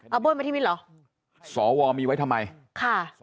เอาบ้วยมาที่มิ้นเหรอสวมีไว้ทำไมค่ะ